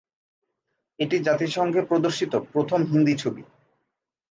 এটি জাতিসংঘে প্রদর্শিত প্রথম হিন্দি ছবি।